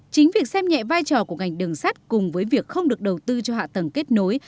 chính việc xem nhẹ vai trò của ngành đường sắt cùng với việc không được đầu tư cho hạ tầng kết nối